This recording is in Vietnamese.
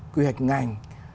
quy hoạch ngành